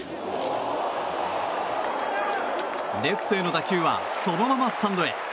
レフトへの打球はそのままスタンドへ。